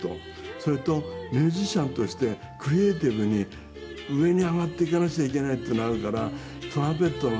それとミュージシャンとしてクリエーティブに上に上がっていかなくちゃいけないっていうのがあるからトランペットの。